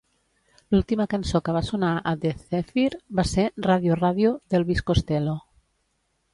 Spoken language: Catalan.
L'última cançó que va sonar a The Zephyr va ser "Radio, Radio" d'Elvis Costello.